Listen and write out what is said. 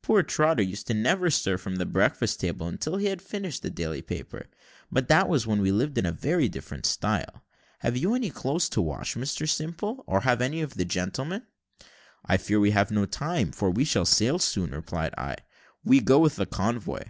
Poor Trotter used never to stir from the breakfast table until he had finished the daily paper but that was when we lived in very different style. Have you any clothes to wash, Mr Simple, or have any of the gentlemen?" "I fear we have no time, we sail too soon," replied I; "we go with the convoy."